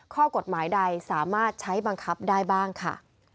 ข้อกฎหมายใดสามารถใช้บังคับได้บ้างค่ะ